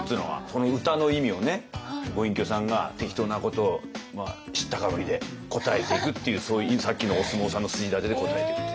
この歌の意味をご隠居さんが適当なことを知ったかぶりで答えていくっていうそういうさっきのお相撲さんの筋立てで答えていくと。